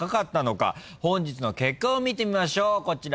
本日の結果を見てみましょうこちらです。